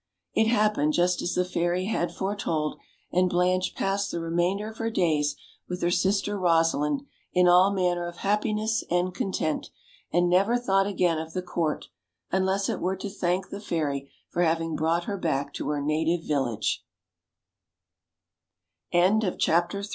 It happened just as the fairy had foretold, and Blanche passed the remainder of her days with her sister Rosalind in all manner of happiness and content, and never thought again of the court, unless it were to thank the fairy for having brought her back to her native